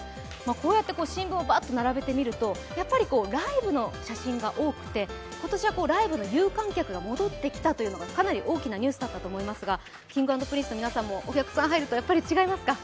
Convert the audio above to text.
こうやって新聞をバーッて並べてみるとやっぱりライブの写真が多くて、今年はライブの有観客が戻ってきたというのがかなり大きなニュースだったと思いますがＫｉｎｇ＆Ｐｒｉｎｃｅの皆さんもお客さんが入るとやっぱり違いますか。